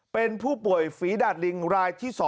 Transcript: เป็นผู้ป่วยฝีดาดลิงรายที่๒